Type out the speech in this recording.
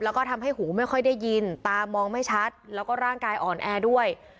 แล้วก็ทำให้หูไม่ค่อยได้ยินตามองไม่ชัดแล้วก็ร่างกายอ่อนแอด้วย